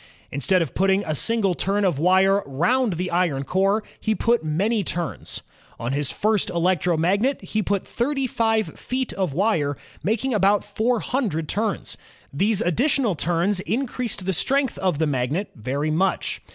Instead of putting a single turn of wire round the iron core, he put many turns. On his first electromagnet he put thirty five feet of wire, making about four himdred turns. These additional turns in creased the strength of the magnet very much.